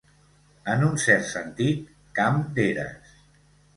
En un cert sentit, camp d'eres.